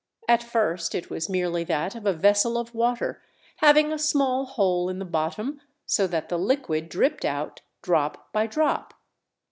At first, it was merely that of a vessel of water, having a small hole in the bottom, so that the liquid dripped out drop by drop.